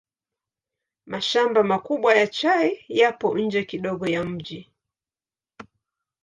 Mashamba makubwa ya chai yapo nje kidogo ya mji.